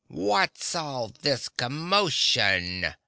"What's all this commotion?"